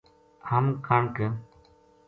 ہم کنک